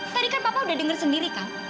tadi kan papa udah dengar sendiri kak